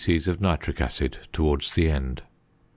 of nitric acid towards the end.